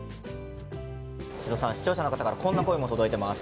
宍戸さん、視聴者の方からこんな声も届いてます。